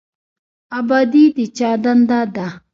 ابادي د چا دنده ده؟